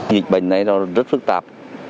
dịch bệnh này rất phức tạp